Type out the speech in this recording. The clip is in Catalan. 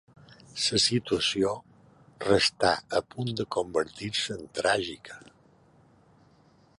La situació restà a punt de convertir-se en tràgica.